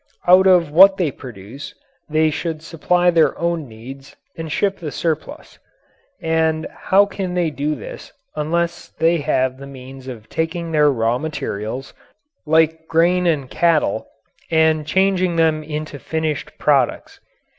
Out of what they produce they should supply their own needs and ship the surplus. And how can they do this unless they have the means of taking their raw materials, like grain and cattle, and changing them into finished products?